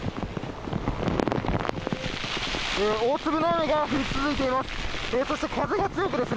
大粒の雨が降り続いています。